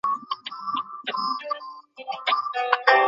কিন্তু তাঁর মতে, সেসব ভাবনার সঙ্গে এখনকার জঙ্গিদের জিহাদের কোনো মিল নেই।